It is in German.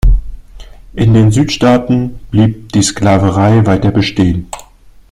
In den Südstaaten blieb die Sklaverei weiter bestehen.